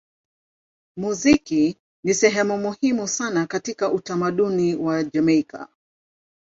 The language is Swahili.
Muziki ni sehemu muhimu sana katika utamaduni wa Jamaika.